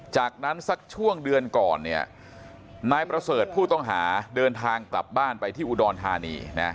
จากนั้นสักช่วงเดือนก่อนนายประเสริฐผู้ต้องหาเดินทางกลับบ้านไปที่อุดรธานี